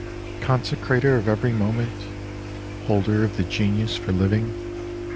Consecrator of every moment, Holder of the genius for living.